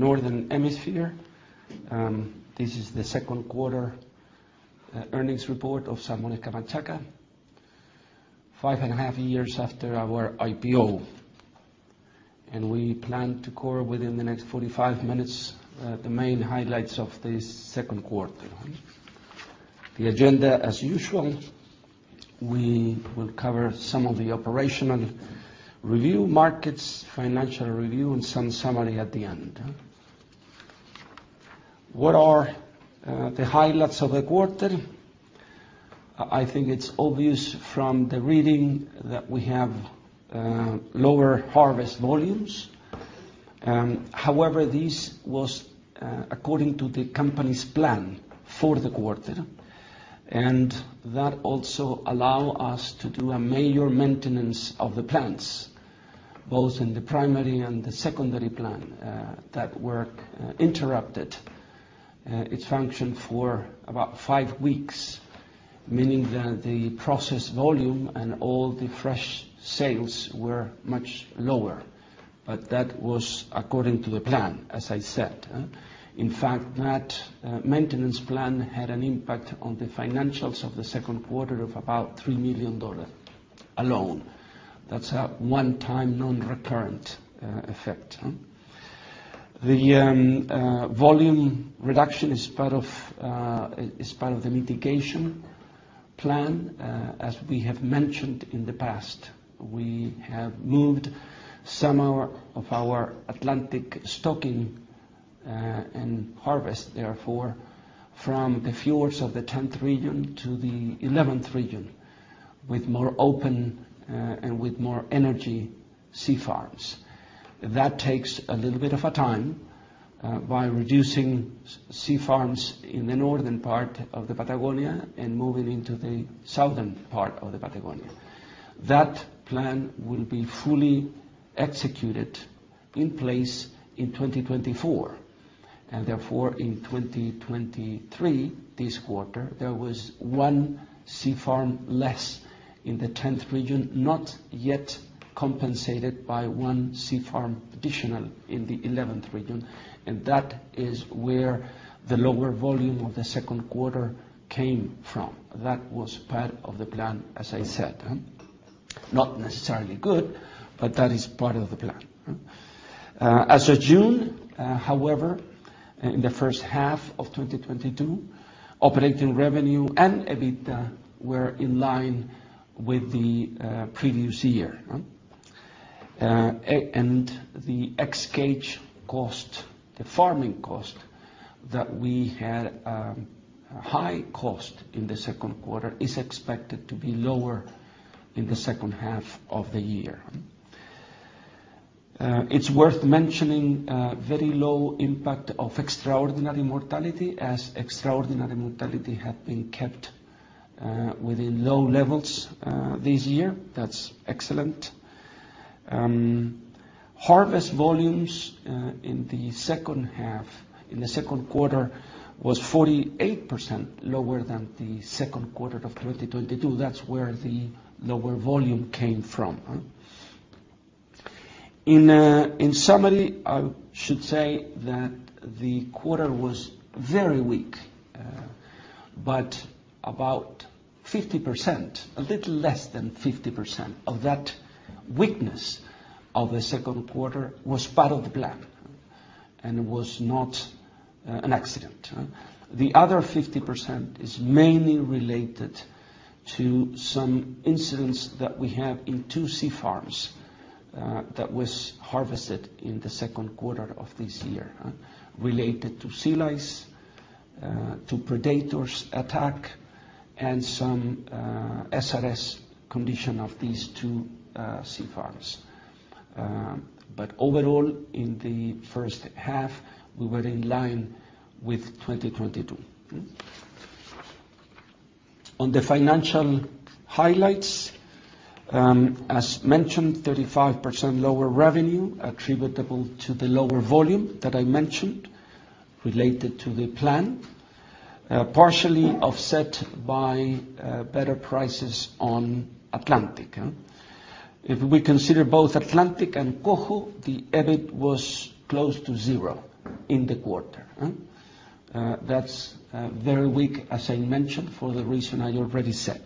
Northern Hemisphere. This is the second quarter earnings report of Salmones Camanchaca, 5.5 years after our IPO, and we plan to cover within the next 45 minutes the main highlights of this second quarter. The agenda, as usual, we will cover some of the operational review markets, financial review, and some summary at the end. What are the highlights of the quarter? I, I think it's obvious from the reading that we have lower harvest volumes. However, this was according to the company's plan for the quarter, and that also allow us to do a major maintenance of the plants, both in the primary and the secondary plant that were interrupted. It functioned for about five weeks, meaning the, the process volume and all the fresh sales were much lower. That was according to the plan, as I said. In fact, that maintenance plan had an impact on the financials of the second quarter of about $3 million alone. That's a one-time, non-recurrent effect, huh? Volume reduction is part of is part of the mitigation plan, as we have mentioned in the past. We have moved of our Atlantic stocking and harvest, therefore, from the fjords of the 10th Region to the 11th region, with more open and with more energy sea farms. That takes a little bit of a time by reducing sea farms in the northern part of the Patagonia and moving into the southern part of the Patagonia. That plan will be fully executed in place in 2024. Therefore, in 2023, this quarter, there was one sea farm less in the 10th region, not yet compensated by one sea farm additional in the 11th region, that is where the lower volume of the second quarter came from. That was part of the plan, as I said. Not necessarily good, but that is part of the plan. As of June, however, in the first half of 2022, operating revenue and EBITDA were in line with the previous year, huh? The ex-cage cost, the farming cost, that we had a high cost in the second quarter, is expected to be lower in the second half of the year. It's worth mentioning, very low impact of extraordinary mortality, as extraordinary mortality have been kept within low levels this year. That's excellent. Harvest volumes in the second half... In the second quarter was 48% lower than the second quarter of 2022. That's where the lower volume came from, huh? In summary, I should say that the quarter was very weak, but about 50%, a little less than 50% of that weakness of the second quarter was part of the plan, and it was not an accident. The other 50% is mainly related to some incidents that we have in two sea farms that was harvested in the second quarter of this year, related to sea lice, to predators attack, and some SRS condition of these two sea farms. Overall, in the first half, we were in line with 2022. On the financial highlights, as mentioned, 35% lower revenue attributable to the lower volume that I mentioned, related to the plan, partially offset by better prices on Atlantic. If we consider both Atlantic and Coho, the EBIT was close to zero in the quarter. That's very weak, as I mentioned, for the reason I already said.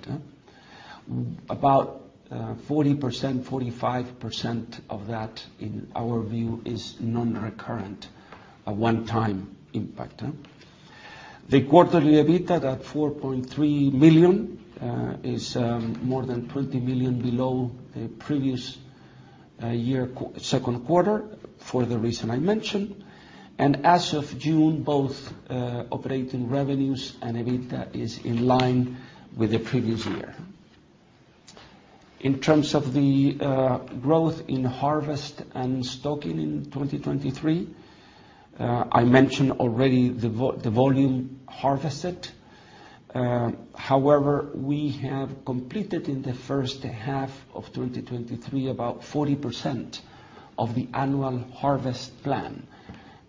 About 40%-45% of that, in our view, is non-recurrent, a one-time impact. The quarterly EBITDA, that $4.3 million, is more than $20 million below the previous year second quarter, for the reason I mentioned. As of June, both operating revenues and EBITDA is in line with the previous year. In terms of the growth in harvest and stocking in 2023, I mentioned already the volume harvested. However, we have completed in the first half of 2023, about 40% of the annual harvest plan,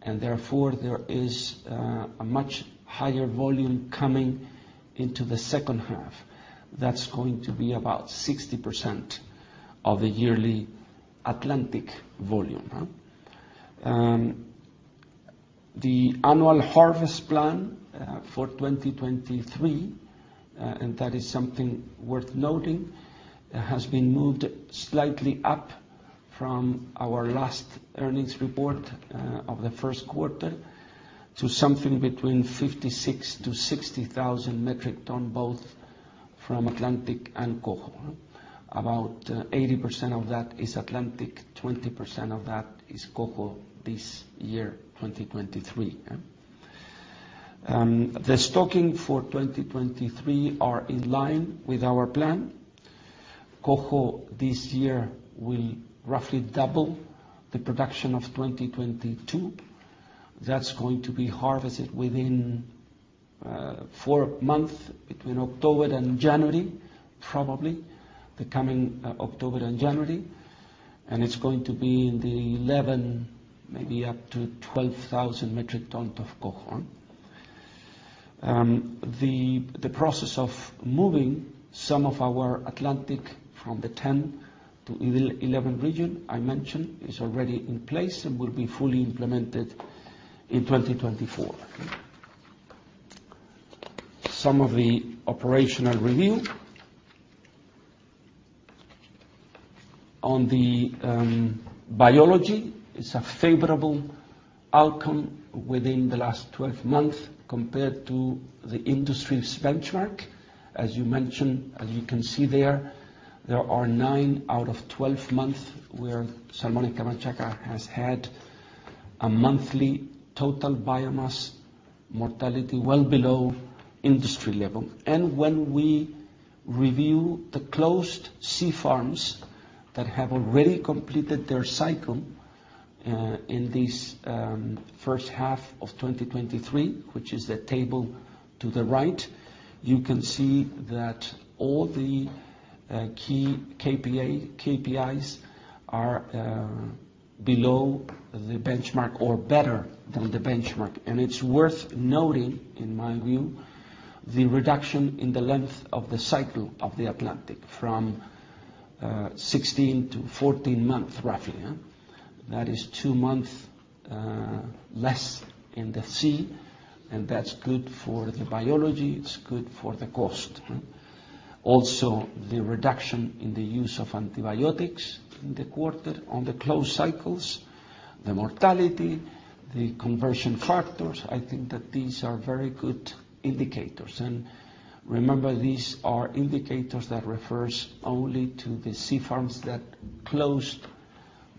and therefore, there is a much higher volume coming into the second half. That's going to be about 60% of the yearly Atlantic volume, huh? The annual harvest plan for 2023, and that is something worth noting, has been moved slightly up from our last earnings report of the first quarter, to something between 56,000-60,000 metric tons, both from Atlantic and Coho. About 80% of that is Atlantic, 20% of that is Coho this year, 2023, yeah. The stocking for 2023 are in line with our plan. Coho, this year, will roughly double the production of 2022. That's going to be harvested within four month, between October and January, probably, the coming October and January. It's going to be in the 11, maybe up to 12,000 metric ton of Coho. The process of moving some of our Atlantic from the 10th to 11th region, I mentioned, is already in place and will be fully implemented in 2024. Some of the operational review. On the biology, it's a favorable outcome within the last 12 months compared to the industry's benchmark. As you can see there, there are nine out of 12 month, where Salmones Camanchaca has had a monthly total biomass mortality well below industry level. When we review the closed sea farms that have already completed their cycle, in this first half of 2023, which is the table to the right, you can see that all the key KPIs are below the benchmark or better than the benchmark. It's worth noting, in my view, the reduction in the length of the cycle of the Atlantic from 16 to 14 months, roughly. That is two months less in the sea, and that's good for the biology, it's good for the cost. Also, the reduction in the use of antibiotics in the quarter on the closed cycles, the mortality, the conversion factors, I think that these are very good indicators. Remember, these are indicators that refer only to the sea farms that closed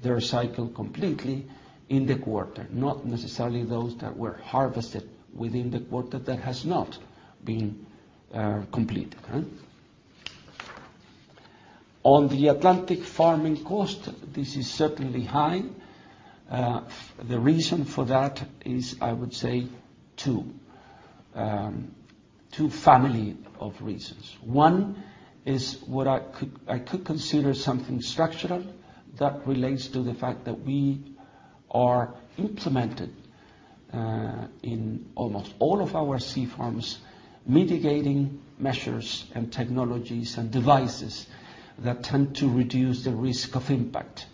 their cycle completely in the quarter, not necessarily those that were harvested within the quarter that has not been completed, huh. On the Atlantic farming cost, this is certainly high. The reason for that is, I would say, two. Two family of reasons. One is what I could, I could consider something structural that relates to the fact that we are implemented in almost all of our sea farms, mitigating measures and technologies and devices that tend to reduce the risk of impact.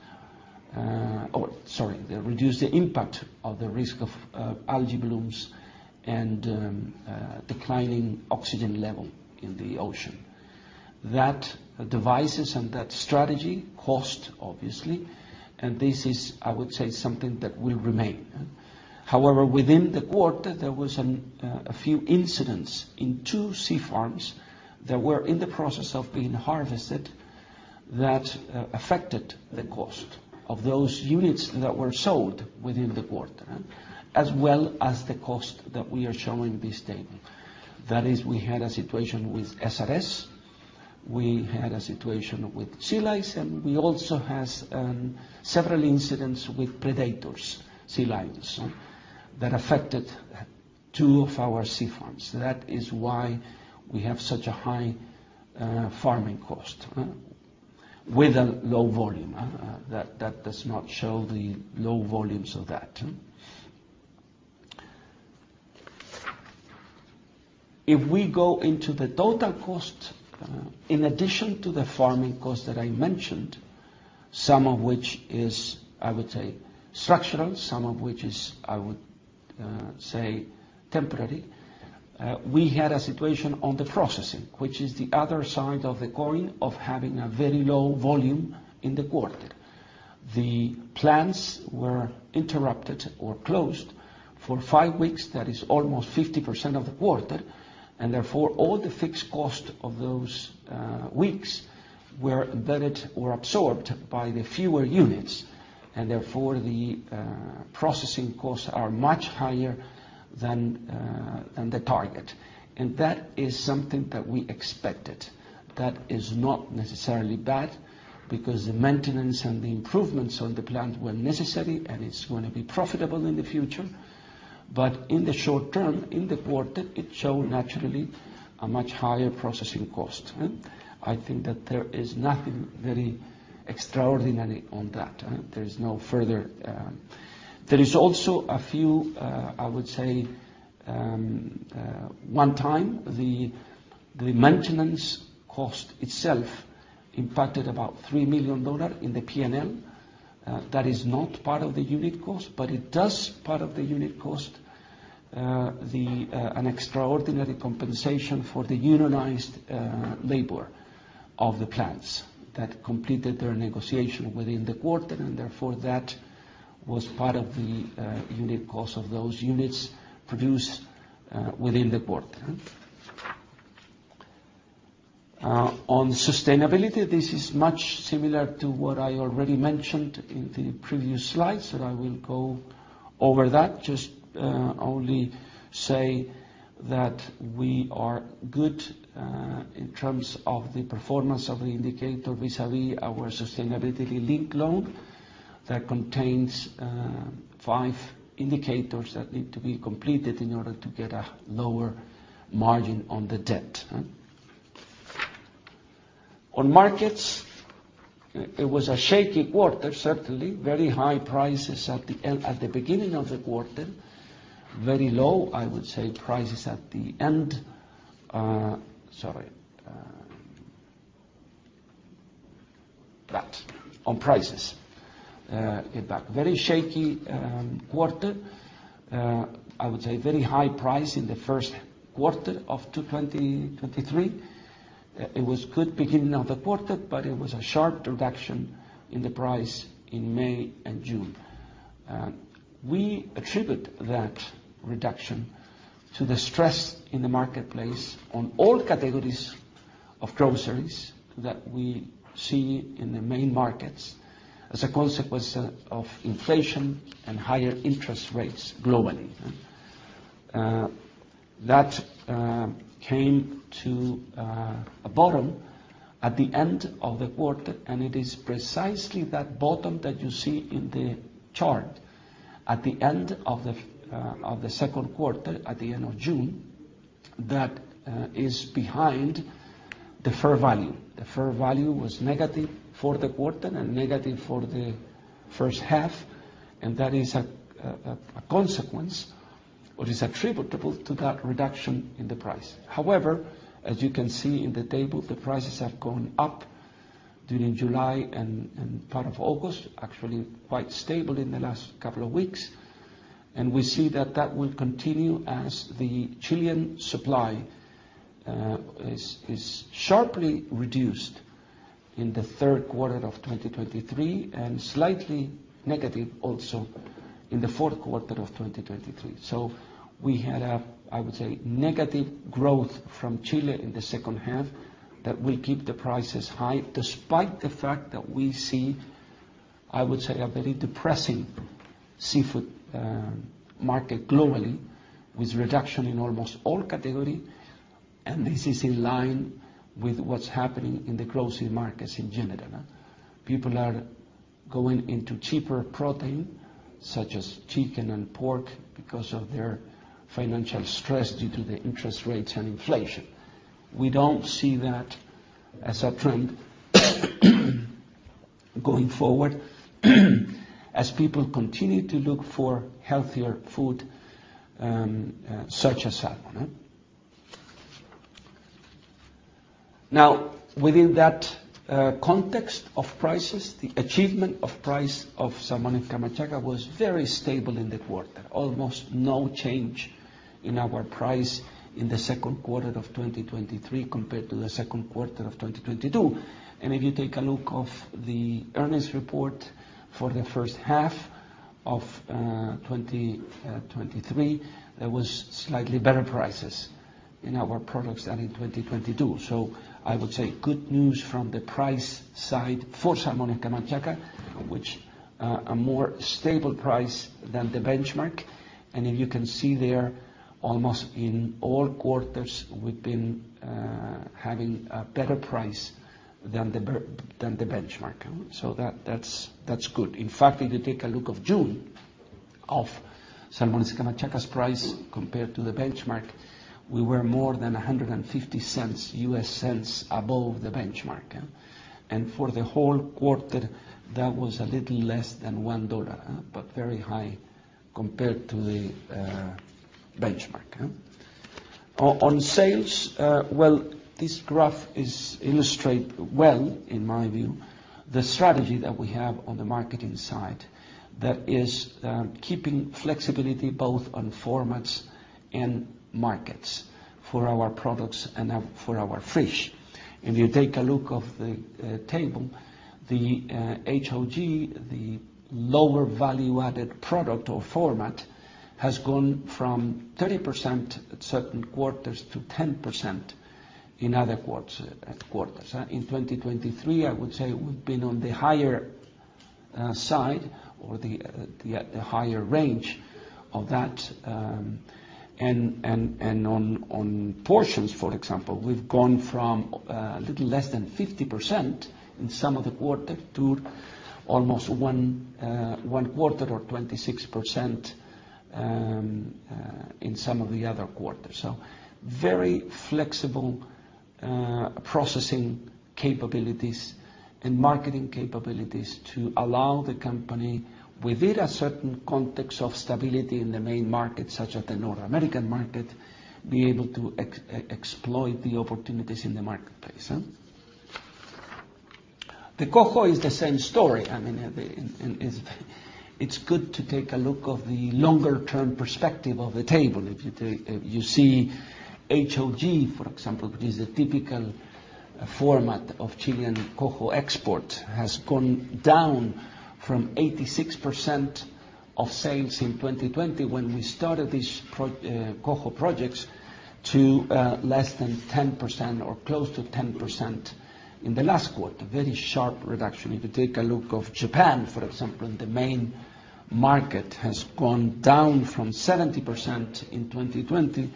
Or sorry, that reduce the impact of the risk of algae blooms and declining oxygen level in the ocean. That devices and that strategy cost, obviously, and this is, I would say, something that will remain, huh. However, within the quarter, there was a few incidents in two sea farms that were in the process of being harvested, that affected the cost of those units that were sold within the quarter, as well as the cost that we are showing this day. That is, we had a situation with SRS, we had a situation with sea lice, and we also has several incidents with predators, sea lions, huh, that affected two of our sea farms. That is why we have such a high farming cost, huh? With a low volume that does not show the low volumes of that. If we go into the total cost, in addition to the farming cost that I mentioned, some of which is, I would say, structural, some of which is, I would say, temporary. We had a situation on the processing, which is the other side of the coin, of having a very low volume in the quarter. The plants were interrupted or closed for five weeks, that is almost 50% of the quarter, and therefore, all the fixed cost of those weeks were embedded or absorbed by the fewer units, and therefore, the processing costs are much higher than the target. That is something that we expected. That is not necessarily bad, because the maintenance and the improvements on the plant were necessary, and it's gonna be profitable in the future. In the short term, in the quarter, it showed, naturally, a much higher processing cost, huh? I think that there is nothing very extraordinary on that, there's no further. There is also a few, I would say, one time, the maintenance cost itself impacted about $3 million in the P&L. That is not part of the unit cost, but it does part of the unit cost, the, an extraordinary compensation for the unionized labor of the plants that completed their negotiation within the quarter, and therefore, that was part of the unit cost of those units produced within the quarter. On sustainability, this is much similar to what I already mentioned in the previous slides, so I will go over that. Just, only say that we are good in terms of the performance of the indicator vis-a-vis our sustainability-linked loan, that contains five indicators that need to be completed in order to get a lower margin on the debt. On markets, it was a shaky quarter, certainly. Very high prices at the beginning of the quarter. Very low, I would say, prices at the end. That, on prices. Get back. Very shaky quarter. I would say very high price in the first quarter of 2023. It was good beginning of the quarter, but it was a sharp reduction in the price in May and June. We attribute that reduction to the stress in the marketplace on all categories of groceries that we see in the main markets as a consequence of inflation and higher interest rates globally. That came to a bottom at the end of the quarter, and it is precisely that bottom that you see in the chart at the end of the second quarter, at the end of June, that is behind the fair value. The fair value was negative for the quarter and negative for the first half, and that is a consequence or is attributable to that reduction in the price. However, as you can see in the table, the prices have gone up during July and part of August, actually quite stable in the last couple of weeks. We see that that will continue as the Chilean supply is sharply reduced in the third quarter of 2023, and slightly negative also in the fourth quarter of 2023. We had a, I would say, negative growth from Chile in the second half that will keep the prices high, despite the fact that we see, I would say, a very depressing seafood market globally, with reduction in almost all category, and this is in line with what's happening in the grocery markets in general, eh? People are going into cheaper protein, such as chicken and pork, because of their financial stress due to the interest rates and inflation. We don't see that as a trend, going forward, as people continue to look for healthier food, such as salmon, eh? Within that context of prices, the achievement of price of Salmones Camanchaca was very stable in the quarter. Almost no change in our price in the second quarter of 2023 compared to the second quarter of 2022. If you take a look of the earnings report for the first half of 2023, there was slightly better prices in our products than in 2022. I would say good news from the price side for Salmones Camanchaca, which a more stable price than the benchmark. If you can see there, almost in all quarters, we've been having a better price than the benchmark. That, that's, that's good. In fact, if you take a look of June, of Salmones Camanchaca's price compared to the benchmark, we were more than $1.50 above the benchmark, eh? For the whole quarter, that was a little less than $1, but very high compared to the benchmark, eh. On sales, well, this graph is illustrate well, in my view, the strategy that we have on the marketing side. That is, keeping flexibility both on formats and markets for our products and for our fresh. If you take a look of the table, the HOG, the lower value-added product or format, has gone from 30% at certain quarters to 10% in other quarters. In 2023, I would say we've been on the higher side or the higher range of that. On portions, for example, we've gone from little less than 50% in some of the quarter to almost one quarter or 26% in some of the other quarters. Very flexible processing capabilities and marketing capabilities to allow the company, within a certain context of stability in the main market, such as the North American market, be able to exploit the opportunities in the marketplace, huh? The Coho is the same story. I mean, it's good to take a look of the longer term perspective of the table. If you see HOG, for example, it is a typical format of Chilean Coho export, has gone down from 86% of sales in 2020 when we started these Coho projects, to less than 10% or close to 10% in the last quarter. Very sharp reduction. If you take a look of Japan, for example, the main market has gone down from 70% in 2020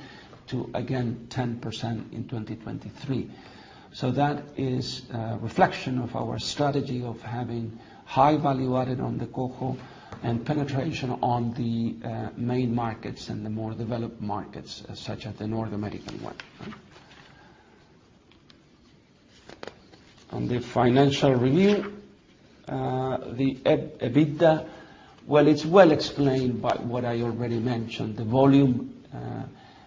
to, again, 10% in 2023. That is a reflection of our strategy of having high value added on the Coho and penetration on the main markets and the more developed markets, such as the North American one. On the financial review, the EB, EBITDA, well, it's well explained by what I already mentioned. The volume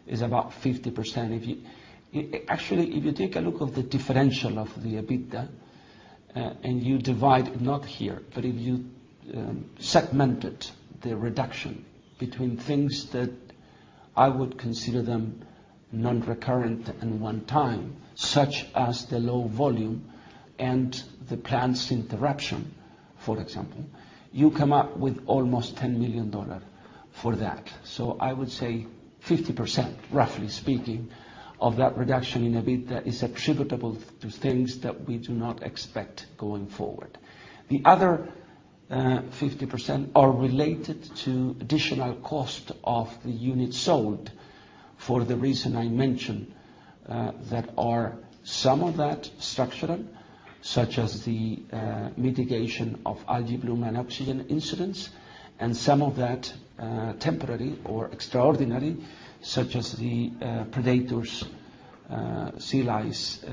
is about 50%. Actually, if you take a look of the differential of the EBITDA, and you divide, not here, but if you segmented the reduction between things that I would consider them non-recurrent and one time, such as the low volume and the plans interruption, for example, you come up with almost $10 million for that. I would say 50%, roughly speaking, of that reduction in EBITDA is attributable to things that we do not expect going forward. The other 50% are related to additional cost of the units sold, for the reason I mentioned, that are some of that structural, such as the mitigation of algae bloom and oxygen incidents, and some of that temporary or extraordinary, such as the predators, sea lice,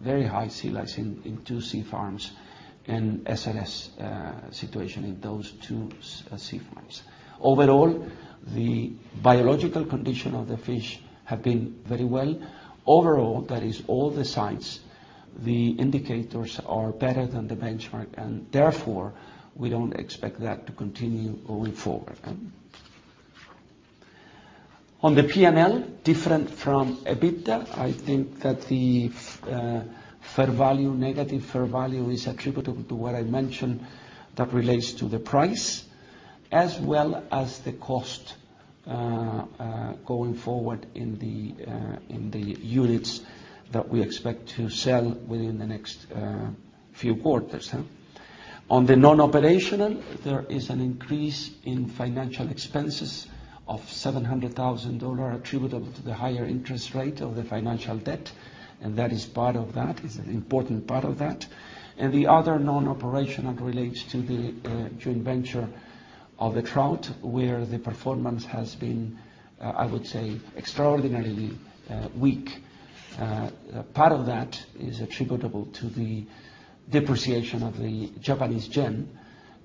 very high sea lice in two sea farms, and SRS situation in those two sea farms. Overall, the biological condition of the fish have been very well. Overall, that is all the sites, the indicators are better than the benchmark, and therefore, we don't expect that to continue going forward. On the P&L, different from EBITDA, I think that the fair value, negative fair value is attributable to what I mentioned that relates to the price, as well as the cost going forward in the units that we expect to sell within the next few quarters, huh? On the non-operational, there is an increase in financial expenses of $700,000, attributable to the higher interest rate of the financial debt, and that is part of that, is an important part of that. The other non-operational relates to the joint venture of the trout, where the performance has been, I would say, extraordinarily weak. Part of that is attributable to the depreciation of the Japanese yen,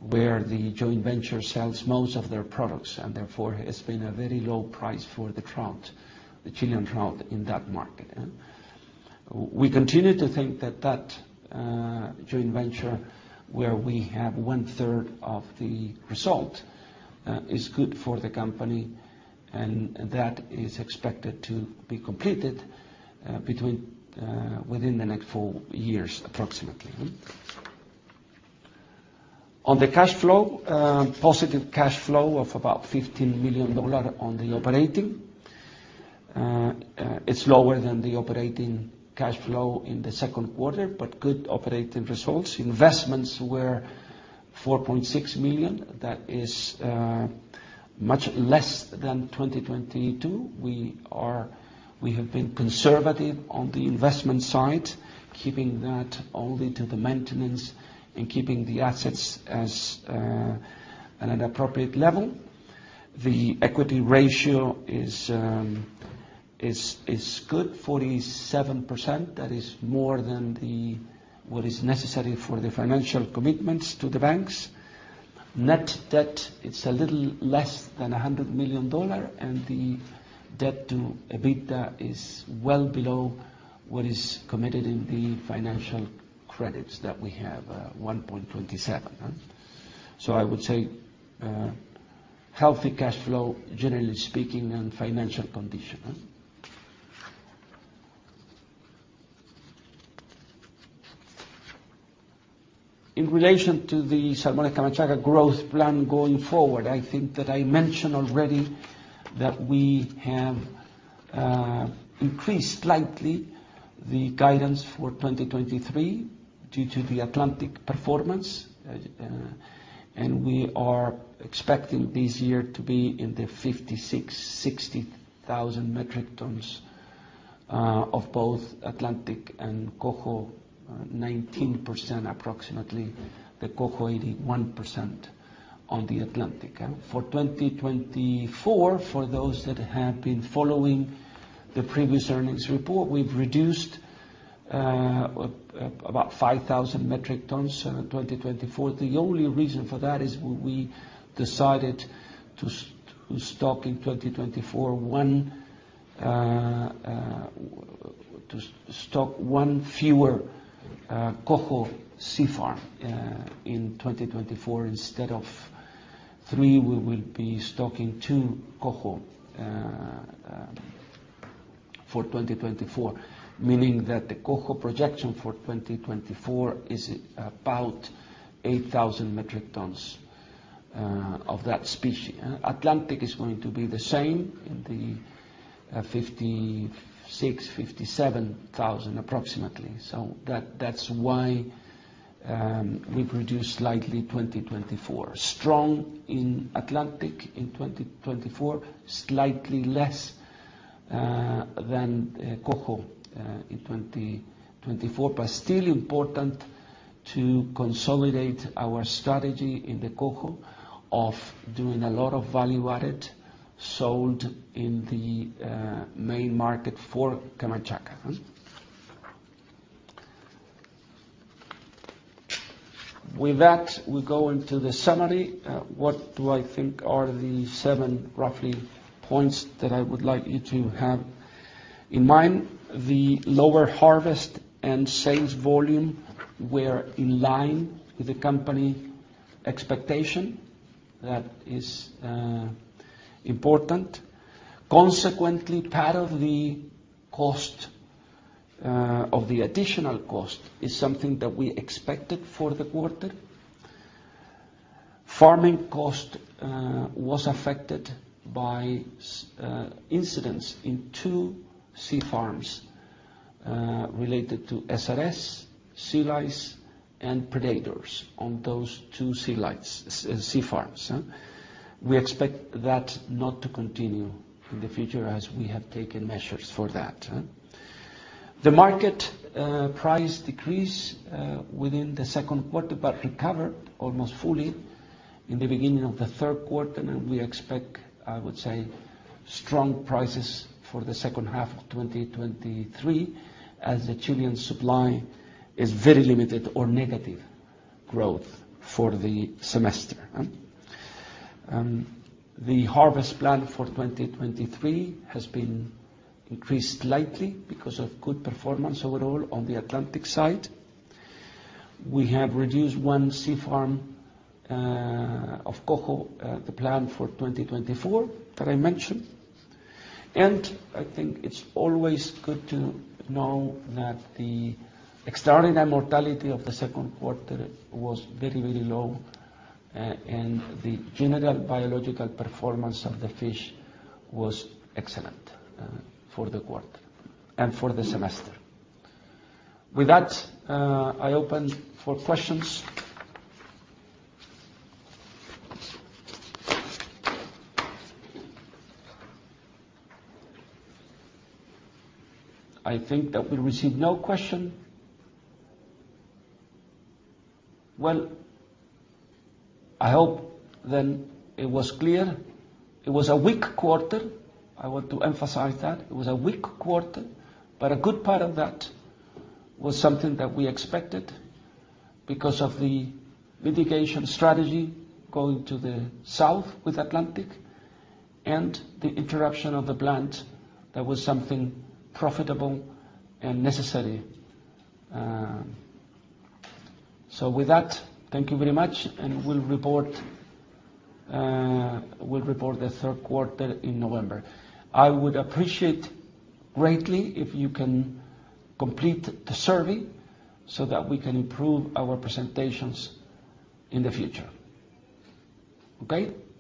where the joint venture sells most of their products, and therefore, it's been a very low price for the trout, the Chilean trout, in that market. We continue to think that that joint venture, where we have one-third of the result, is good for the company, and that is expected to be completed between within the next four years, approximately. On the cash flow, positive cash flow of about $15 million on the operating. It's lower than the operating cash flow in the second quarter, but good operating results. Investments were $4.6 million. That is much less than 2022. We have been conservative on the investment side, keeping that only to the maintenance and keeping the assets as at an appropriate level. The equity ratio is good, 47%. That is more than what is necessary for the financial commitments to the banks. Net debt, it's a little less than $100 million, and the debt-to-EBITDA is well below what is committed in the financial credits that we have, 1.27. I would say, healthy cash flow, generally speaking, and financial condition, huh? In relation to the Salmones Camanchaca growth plan going forward, I think that I mentioned already that we have increased slightly the guidance for 2023 due to the Atlantic performance, and we are expecting this year to be in the 56,000-60,000 metric tons. of both Atlantic and Coho, 19% approximately, the Coho 81% on the Atlantic. yeah. For 2024, for those that have been following the previous earnings report, we've reduced about 5,000 metric tons in 2024. The only reason for that is we decided to stock in 2024, one, to stock one fewer Coho sea farm in 2024. Instead of three, we will be stocking two Coho for 2024, meaning that the Coho projection for 2024 is about 8,000 metric tons of that species. Atlantic is going to be the same, in the 56,000-57,000 approximately. That's why we produced slightly 2024. Strong in Atlantic in 2024, slightly less than Coho in 2024, still important to consolidate our strategy in the Coho of doing a lot of value-added, sold in the main market for Camanchaca, huh? With that, we go into the summary. What do I think are the seven, roughly, points that I would like you to have in mind? The lower harvest and sales volume were in line with the company expectation. That is important. Consequently, part of the cost of the additional cost is something that we expected for the quarter. Farming cost was affected by incidents in two sea farms, related to SRS, sea lice, and predators on those two sea farms, huh? We expect that not to continue in the future, as we have taken measures for that, huh? The market price decrease within the 2Q, but recovered almost fully in the beginning of the 3Q, and we expect, I would say, strong prices for the 2H 2023, as the Chilean supply is very limited or negative growth for the semester, huh. The harvest plan for 2023 has been increased slightly because of good performance overall on the Atlantic side. We have reduced one sea farm of Coho, the plan for 2024, that I mentioned. I think it's always good to know that the external mortality of the 2Q was very, very low, and the general biological performance of the fish was excellent for the quarter and for the semester. With that, I open for questions. I think that we received no question. Well, I hope then it was clear. It was a weak quarter. I want to emphasize that. A good part of that was something that we expected because of the mitigation strategy going to the south with Atlantic and the interruption of the plant. That was something profitable and necessary. With that, thank you very much, and we'll report, we'll report the third quarter in November. I would appreciate greatly if you can complete the survey so that we can improve our presentations in the future. Okay? Thank you.